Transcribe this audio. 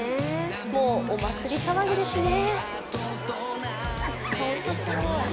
もうお祭り騒ぎですね。